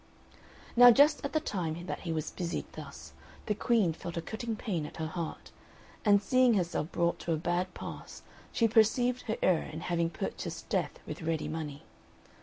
Now just at the time that he was busied thus, the Queen felt a cutting pain at her heart; and seeing herself brought to a bad pass, she perceived her error in having purchased death with ready money.